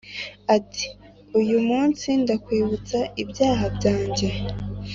Ati uyu munsi ndakwibutsa ibyaha byanjye